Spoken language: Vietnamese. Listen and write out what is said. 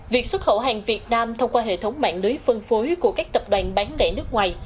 việc xuất khẩu hàng việt nam thông qua hệ thống mạng lưới phân phối của các tập đoàn bán lẻ nước ngoài